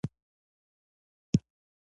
چې دا غږ ورسره غبرګ کړي.